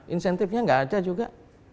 insentifnya gak ada juga